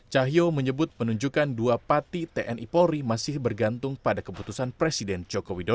cahyo menyebut penunjukan dua pati tni polri masih bergantung pada keputusan presiden joko widodo